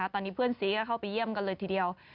ตอนนี้เพื่อนซีก็เข้าไปเยี่ยมกันเลยทีเดียว